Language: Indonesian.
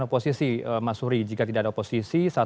oposisi masuri jika tidak ada oposisi